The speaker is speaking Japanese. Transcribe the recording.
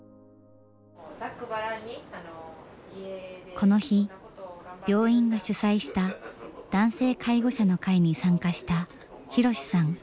この日病院が主催した男性介護者の会に参加した博さん。